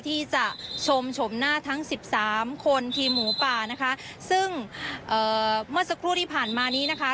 ที่จะชมชมหน้าทั้งสิบสามคนทีมหมูป่านะคะซึ่งเอ่อเมื่อสักครู่ที่ผ่านมานี้นะคะ